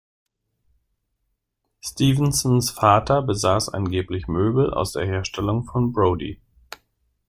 Stevensons Vater besaß angeblich Möbel aus der Herstellung von Brodie.